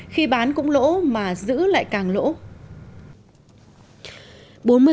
khi bán cũng lỗ mà giữ lại càng lỗ